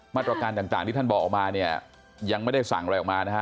มาตรการต่างที่ท่านบอกออกมาเนี่ยยังไม่ได้สั่งอะไรออกมานะฮะ